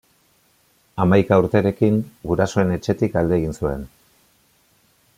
Hamaika urterekin, gurasoen etxetik alde egin zuen.